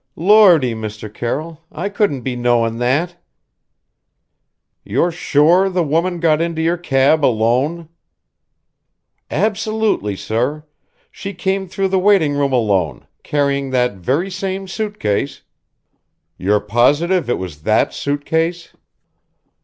"Lordy, Mr. Carroll, I couldn't be knowing that." "You're sure the woman got into your cab alone?" "Absolutely, sir. She came through the waiting room alone, carrying that very same suit case " "You're positive it was that suit case?"